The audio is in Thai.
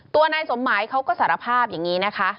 ตัวนายสมหมายเขาก็สารภาพอย่างนี้นะคะ